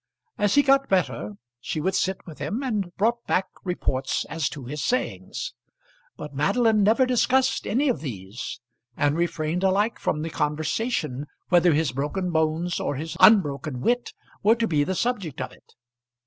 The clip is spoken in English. As he got better she would sit with him, and brought back reports as to his sayings. But Madeline never discussed any of these; and refrained alike from the conversation, whether his broken bones or his unbroken wit were to be the subject of it.